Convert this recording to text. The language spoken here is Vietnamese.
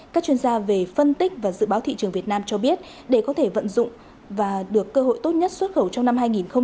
các chuyên gia về phân tích và dự báo thị trường việt nam cho biết để có thể vận dụng và được cơ hội tốt nhất xuất khẩu trong năm hai nghìn hai mươi